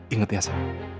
ingat ya alsa